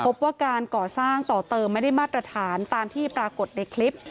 พบว่าการก่อสร้างต่อเติมไม่ได้มาตรฐานตามที่ปรากฏในคลิป